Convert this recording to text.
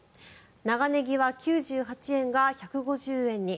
長ネギは９８円が１５０円に。